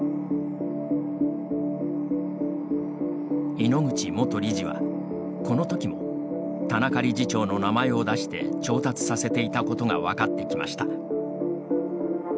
井ノ口元理事は、このときも田中理事長の名前を出して調達させていたことが分かってきました。